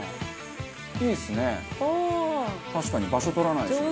いいですね。